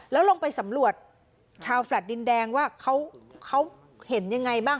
แล้วลงไปสำรวจชาวแฟลต์ดินแดงว่าเขาเห็นยังไงบ้าง